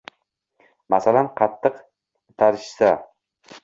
masalan, qattiq itarishsa